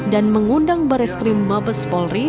dan mengundang bereskrim mabes polri